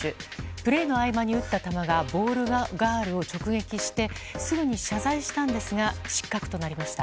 プレーの合間に打った球がボールガールを直撃してすぐに謝罪したんですが失格になりました。